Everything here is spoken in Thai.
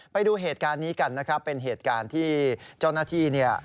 ไปดูเหตุการณ์นี้กันนะครับเป็นเหตุการณ์ที่เจ้าหน้าที่เนี่ย